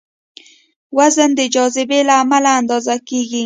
وزن د جاذبې له امله اندازه کېږي.